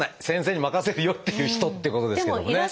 先生に任せるよ！」っていう人ってことですけどもね。